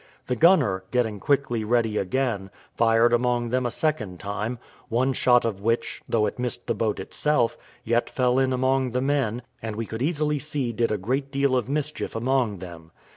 The gunner, getting quickly ready again, fired among them a second time, one shot of which, though it missed the boat itself, yet fell in among the men, and we could easily see did a great deal of mischief among them.